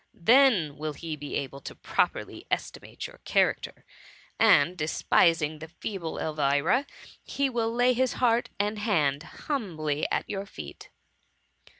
Then will he be able to properly esti mate your character, and despising the feeble Elvira, he will lay his heart and hand humbly at your feet.''